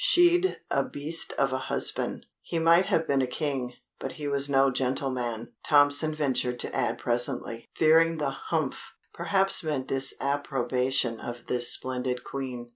"She'd a beast of a husband; he might have been a King, but he was no gentleman," Tompson ventured to add presently, fearing the "Humph" perhaps meant disapprobation of this splendid Queen.